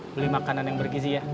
beli makanan yang bergizi ya